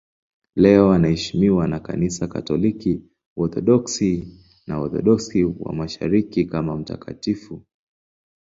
Leo anaheshimiwa na Kanisa Katoliki, Waorthodoksi na Waorthodoksi wa Mashariki kama mtakatifu.